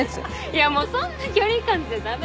いやもうそんな距離感じゃ駄目。